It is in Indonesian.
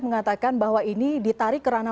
mengatakan bahwa ini ditarik kerana